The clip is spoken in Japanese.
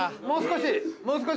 もう少し！